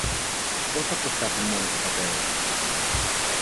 πώς θα προφθάσει μόνος ο πατέρας μου